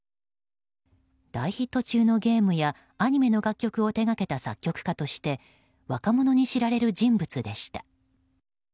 大ヒット中のゲームやアニメの楽曲を手がけた作曲家として若者に知られる人物でした。